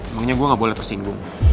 emangnya gue gak boleh tersinggung